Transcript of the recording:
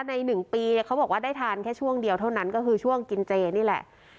ใน๑ปีเขาบอกว่าได้ทานแค่ช่วงเดียวเท่านั้นก็คือช่วงกินเจนี่แหละ